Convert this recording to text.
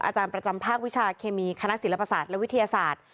อาจารย์ประจำภาควิชาเคมีคณะศิลปศาสตร์และวิทยาศาสตร์